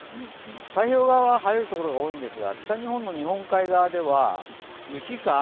太平洋側は晴れるところが多いんですが、北日本の日本海側では雪か雨